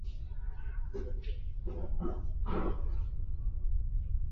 Sera na Mazoea na Silja Klepp Libertad Chavez Rodriguez